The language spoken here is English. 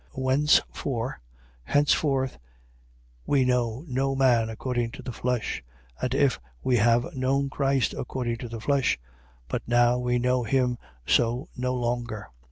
5:16. Wherefore henceforth, we know no man according to the flesh. And if we have known Christ according to the flesh: but now we know him so no longer.